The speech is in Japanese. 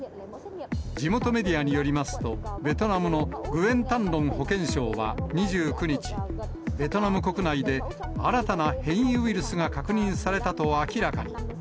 地元メディアによりますと、ベトナムのグエン・タン・ロン保健相は２９日、ベトナム国内で新たな変異ウイルスが確認されたと明らかに。